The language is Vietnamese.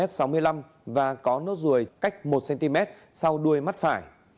đối tượng này cao một m sáu mươi năm cm và có nốt ruồi cách một cm sau đuôi mắt phải